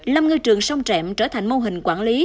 lâm ngư trường sông trẹm trở thành mô hình quản lý